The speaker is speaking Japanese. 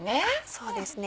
そうですね。